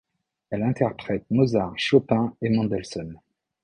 Elle interprète Mozart, Chopin et Mendelssohn.